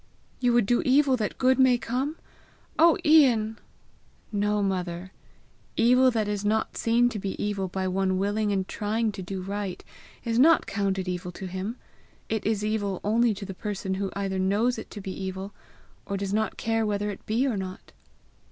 "You would do evil that good may come! Oh, Ian!" "No, mother; evil that is not seen to be evil by one willing and trying to do right, is not counted evil to him. It is evil only to the person who either knows it to be evil, or does not care whether it be or not."